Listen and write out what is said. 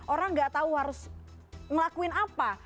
orang gak tahu harus ngelakuin apa